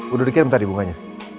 udah dikirim tadi bunganya